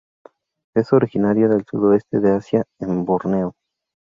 Es originaria del sudoeste de Asia en Borneo.